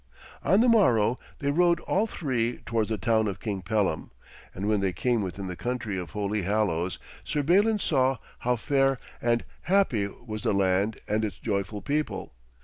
On the morrow they rode all three towards the town of King Pellam, and when they came within the country of Holy Hallows, Sir Balin saw how fair and happy was the land and its joyful people.